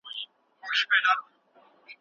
غلام به هره ورځ په خپله نوې باغچه کې کار کوي.